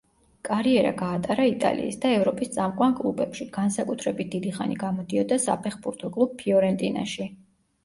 კარიერა გაატარა იტალიის და ევროპის წამყვან კლუბებში, განსაკუთრებით დიდი ხანი გამოდიოდა საფეხბურთო კლუბ ფიორენტინაში.